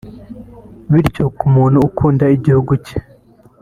bityo ku muntu ukunda igihugu cye